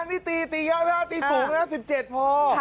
๑๗อันนี้ตีตียากแล้วตีสูงแล้ว๑๗พอ